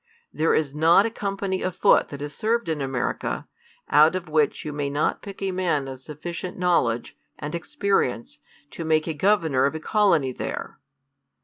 There is not a com pany of foot that has served in America, out of which you may not pick a man of sufficient knowledge and experience, to make a governor of a colony there.